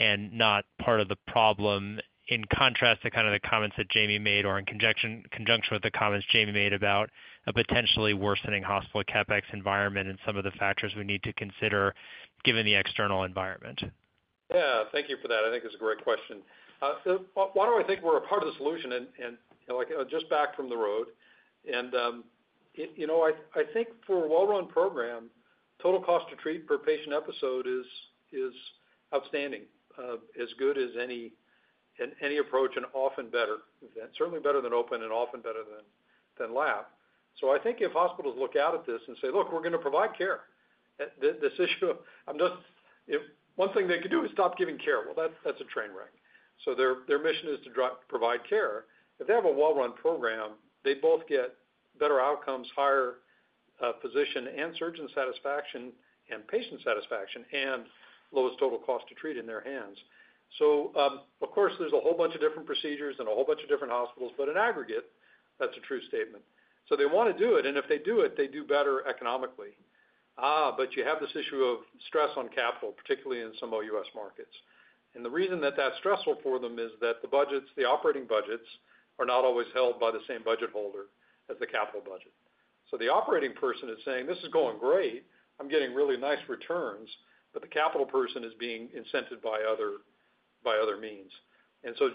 and not part of the problem. In contrast to kind of the comments that Jamie made or in conjunction with the comments Jamie made about a potentially worsening hospital CapEx environment and some of the factors we need to consider given the external. Environment. Yeah, thank you for that. I think it's a great question why do I think we're a part of the solution and just back from the road and you know, I think for a well run program, total cost to treat per patient episode is outstanding, as good as any approach and often better. Certainly better than open and often better than lap. I think if hospitals look out at this and say, look, we're going to provide care. This issue of one thing they could do is stop giving care. That's a train wreck. Their mission is to provide care. If they have a well run program, they both get better outcomes, higher physician and surgeon satisfaction and patient satisfaction and lowest total cost to treat in their hands. There is a whole bunch of different procedures and a whole bunch of different hospitals. In aggregate, that's a true statement. They want to do it, and if they do it, they do better economically. You have this issue of stress on capital, particularly in some OUS markets. The reason that is stressful for them is that the budgets, the operating budgets, are not always held by the same budget holder as the capital budget. The operating person is saying, this is going great. I'm getting really nice returns, but the capital person is being incented by other means.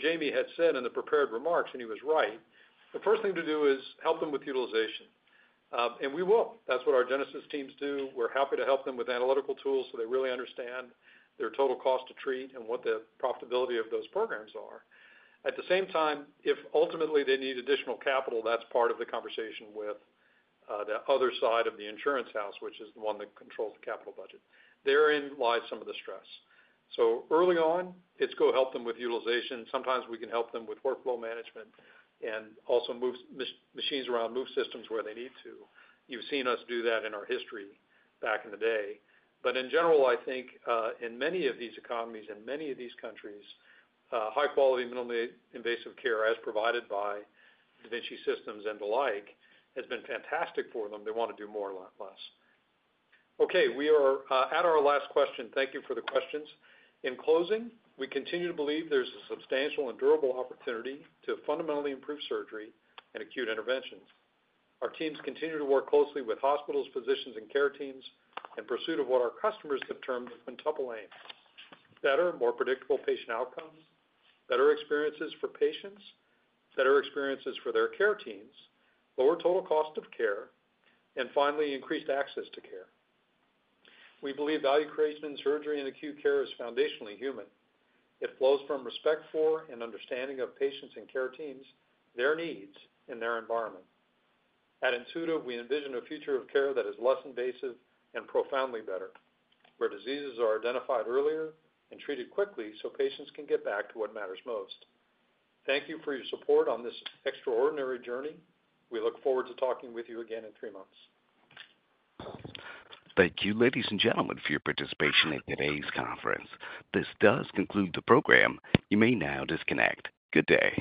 Jamie had said in the prepared remarks, and he was right. The first thing to do is help them with utilization. We will. That's what our genesis teams do. We're happy to help them with analytical tools so they really understand their total cost to treat and what the profitability of those programs are at the same time, if ultimately they need additional capital. That's part of the conversation with the other side of the insurance house, which is the one that controls the capital budget. Therein lies some of the stress. Early on, it's go help them with utilization. Sometimes we can help them with workflow management and also move machines around, move systems where they need to. You've seen us do that in our history back in the day. In general, I think in many of these economies, in many of these countries, high quality, minimally invasive care as provided by da Vinci Systems and the like, has been fantastic for them. They want to do more, less. Okay, we are at our last question. Thank you for the questions. In closing, we continue to believe there's a substantial and durable opportunity to fundamentally improve surgery and acute interventions. Our teams continue to work closely with hospitals, physicians and care teams in pursuit of what our customers have termed the quintuple aim: better, more predictable patient outcomes, better experiences for patients, better experiences for their care teams, lower total cost of care, and finally, increased access to care. We believe value creation in surgery and acute care is foundationally human. It flows from respect for and understanding of patients and care teams, their needs, and their environment. At Intuitive, we envision a future of care that is less invasive and profoundly better, where diseases are identified earlier and treated quickly so patients can get back to what matters most. Thank you for your support on this extraordinary journey. We look forward to talking with you again in three. Thank you, ladies and gentlemen, for your participation in today's conference. This does conclude the program. You may now disconnect. Good day.